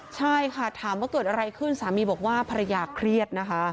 ใช่ค่ะถามว่าเกิดอะไรขึ้นสามีบอกว่าภรรยาเครียดนะคะ